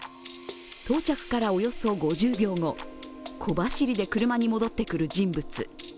到着からおよそ５０秒後、小走りで車に戻ってくる人物。